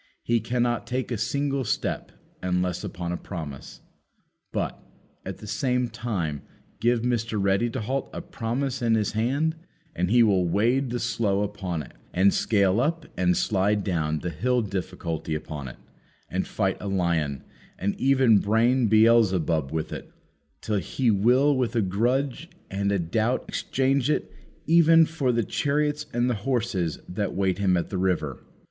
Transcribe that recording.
He cannot take a single step unless upon a promise. But, at the same time, give Mr. Ready to halt a promise in his hand and he will wade the Slough upon it, and scale up and slide down the Hill Difficulty upon it, and fight a lion, and even brain Beelzebub with it, till he will with a grudge and a doubt exchange it even for the chariots and the horses that wait him at the river.